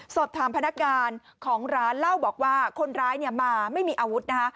พนักงานของร้านเล่าบอกว่าคนร้ายมาไม่มีอาวุธนะคะ